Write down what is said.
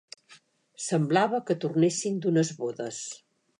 Semblava que tornessin d'unes bodes…